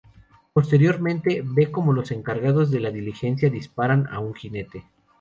Posteriormente, ve cómo los encargados de una diligencia disparan a un jinete.